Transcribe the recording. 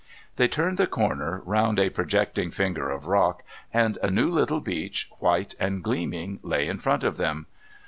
They turned the corner round a projecting finger of rock, and a new little beach, white and gleaming, lay in front of them.